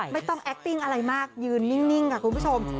ไม่ต้องแอคติ้งอะไรมากยืนนิ่งค่ะคุณผู้ชม